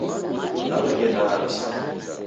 Naw'eghenda harusinyi.